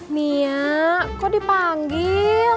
nia kok dipanggil